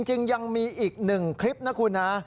จริงยังมีอีก๑กลิ๊ปน่ะคุณฮะ